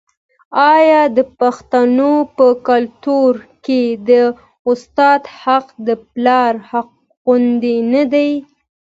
آیا د پښتنو په کلتور کې د استاد حق د پلار غوندې نه دی؟